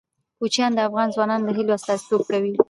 کوچیان د افغان ځوانانو د هیلو استازیتوب کوي.